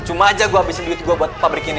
cuma aja gua habisin emop ini buat pabrik ini